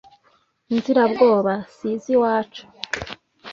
inzirabwoba siziwacu